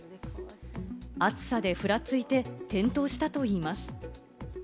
暑さでふらついて転倒したといいます。